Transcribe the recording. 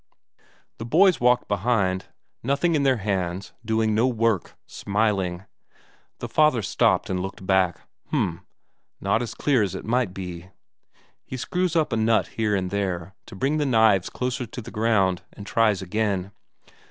The boys walked behind, nothing in their hands, doing no work, smiling. The father stopped and looked back. H'm, not as clear as it might be. He screws up a nut here and there to bring the knives closer to the ground, and tries again.